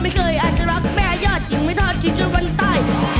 ไม่เคยอาจจะรักแม่ยอดยิ่งไม่ทอดจีนจนวันตาย